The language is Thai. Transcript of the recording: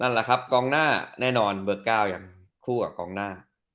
นั่นแหละครับกองหน้าแน่นอนเบอร์๙ยังคู่กับกองหน้า